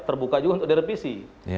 terbuka juga untuk direvisi